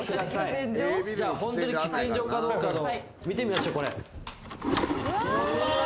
本当に喫煙所かどうか見てみましょう。